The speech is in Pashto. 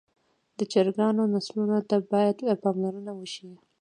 د چرګانو نسلونو ته باید پاملرنه وشي.